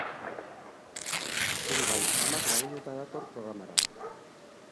Hori bai, amak lagunduta dator programara.